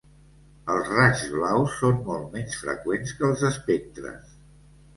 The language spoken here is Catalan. Els raigs blaus són molt menys freqüents que els espectres.